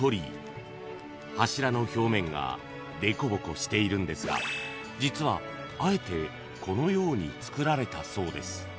［柱の表面がでこぼこしているんですが実はあえてこのようにつくられたそうです］